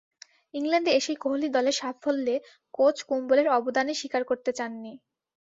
ইংল্যান্ডে এসেই কোহলি দলের সাফল্যে কোচ কুম্বলের অবদানই স্বীকার করতে চাননি।